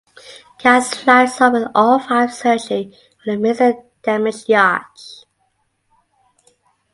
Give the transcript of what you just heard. Kaz flies off with all five searching for the missing damaged yacht.